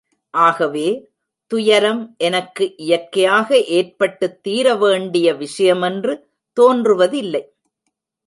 ஆகவே, துயரம் எனக்கு இயற்கையாக ஏற்பட்டுத் தீரவேண்டிய விஷயமென்று தோன்றுவதில்லை.